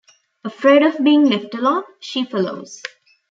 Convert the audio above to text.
Afraid of being left alone, she follows.